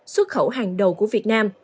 xuất khẩu hàng đầu của việt nam